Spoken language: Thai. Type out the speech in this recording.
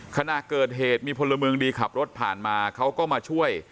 ขณะเกิดเหตุมีพลเมืองดีขับรถผ่านมาเขาก็มาช่วย